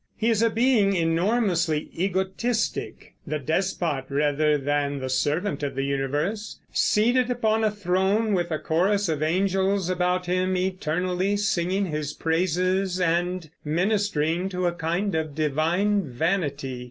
He is a being enormously egotistic, the despot rather than the servant of the universe, seated upon a throne with a chorus of angels about him eternally singing his praises and ministering to a kind of divine vanity.